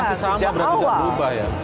masih sama berarti tidak berubah ya